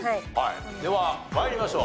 では参りましょう。